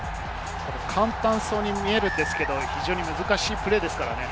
簡単そうに見えるんですけれど、非常に難しいプレーですからね。